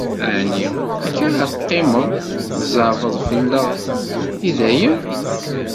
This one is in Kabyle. Ɛni akka ara teqqimeḍ tzeɛfeḍ fell-aɣ, i dayem?